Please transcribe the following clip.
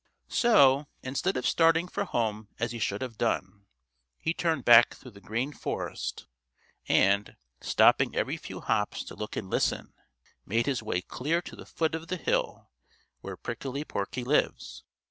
So, instead of starting for home as he should have done, he turned back through the Green Forest and, stopping every few hops to look and listen, made his way clear to the foot of the hill where Prickly Porky lives.